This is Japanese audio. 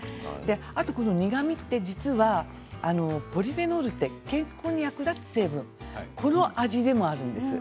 あと、この苦みって実はポリフェノールって健康に役立つ成分この味でもあるんです。